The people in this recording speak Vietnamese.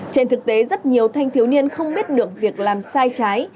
trên thực tế rất nhiều thanh thiếu niên không biết được việc làm sai trái